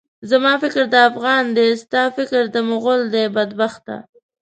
زما فکر د افغان دی، ستا فکر د مُغل دی، بدبخته!